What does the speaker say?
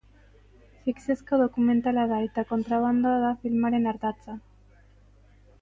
Fikziozko dokumentala da eta kontrabandoa da filmaren ardatza.